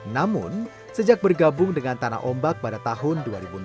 namun sejak bergabung dengan tanah ombak pada tahun dua ribu enam belas